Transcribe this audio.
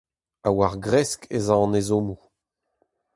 Ha war gresk ez a an ezhommoù.